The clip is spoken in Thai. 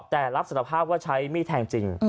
แต่รับสารภาพว่าใช้มีดแทงจริง